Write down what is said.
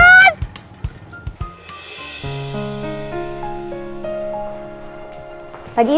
oh iya bukain ya